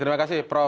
terima kasih pak